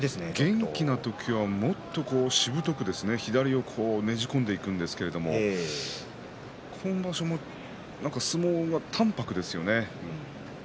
元気な時はもっとしぶとく左をねじ込んでいくんですけれど今場所なんか相撲が淡泊ですよね。